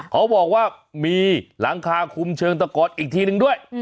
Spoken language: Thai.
เขาบอกว่ามีหลังคาคุมเชิงตะกอดอีกทีนึงด้วย